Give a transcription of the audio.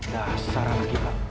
dasar anak ipa